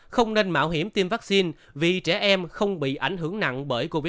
không nên mạo hiểm tiêm vaccine vì trẻ em không bị ảnh hưởng nặng bởi covid một mươi chín